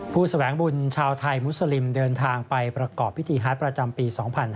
แสวงบุญชาวไทยมุสลิมเดินทางไปประกอบพิธีฮาร์ดประจำปี๒๕๕๙